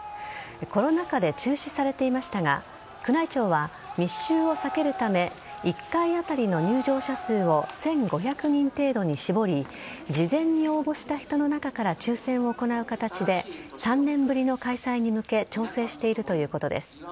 コロナ禍で中止されていましたが宮内庁は密集を避けるため１回当たりの入場者数を１５００人程度に絞り事前に応募した人の中から抽選を行う形で３年ぶりの開催に向け調整しているということです。